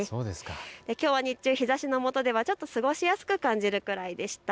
きょうは日中、日ざしのもとではちょっと過ごしやすく感じるくらいでした。